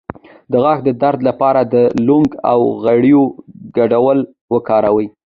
د غاښ د درد لپاره د لونګ او غوړیو ګډول وکاروئ